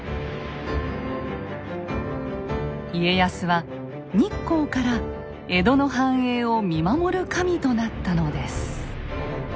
家康は日光から江戸の繁栄を見守る神となったのです。